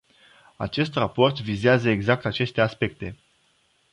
Acest raport vizează exact aceste aspecte.